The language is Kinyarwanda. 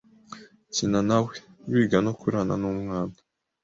Kina nawe, w’iga no kurana n’umwana.